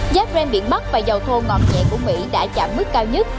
giá ven biển bắc và dầu thô ngọt nhẹ của mỹ đã chạm mức cao nhất